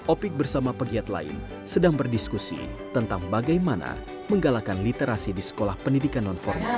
opik bersama pegiat lain sedang berdiskusi tentang bagaimana menggalakkan literasi di sekolah pendidikan non formal